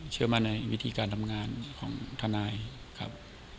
เชื่อมั่นในวิธีการทำงานของทนายครับ